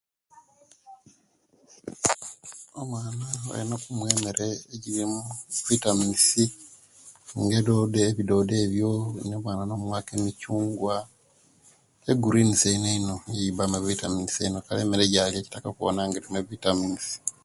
Omwana balina okumuwa emere elimu vitaminiz nga odoodo ebidoodo ebyo omwaana nomuwaku emikyungwa egurwiniz einoeino niyo egibaamu evitaminiz kale emere gyalya kitaka nga elimu evitaminiz